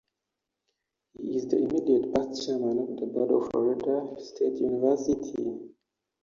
He is the immediate past Chairman of the Board of Florida State University.